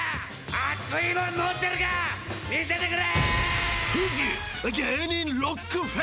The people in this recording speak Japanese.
熱いもの、持ってるか見せてくれ！